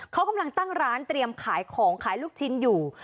เขากำลังตั้งร้านเตรียมขายของขายลูกชิ้นอยู่